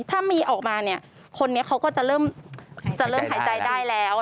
ถ้ามีออกมาคนนี้เขาก็จะเริ่มหายใจได้แล้ว